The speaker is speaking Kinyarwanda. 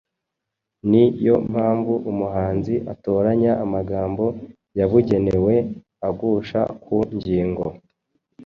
ni yo mpamvu umuhanzi atoranya amagambo yabugenewe agusha ku ngingo.